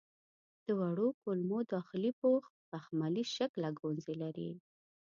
د وړو کولمو داخلي پوښ بخملي شکله ګونځې لري.